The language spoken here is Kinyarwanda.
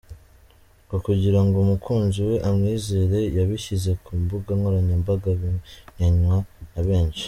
Ngo kugira ngo umukunzi we amwizere yabishyize ku mbuga nkoranyambaga bimenywa na benshi.